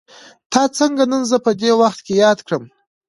تا څنګه نن زه په دې وخت کې ياد کړم.